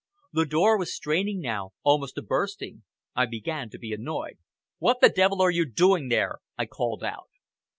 The door was straining now almost to bursting. I began to be annoyed. "What the devil are you doing there?" I called out.